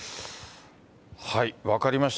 分かりました。